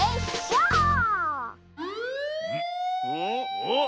おっ。